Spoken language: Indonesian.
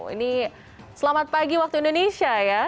ini selamat pagi waktu indonesia ya